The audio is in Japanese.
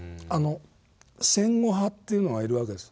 「戦後派」というのがいるわけです。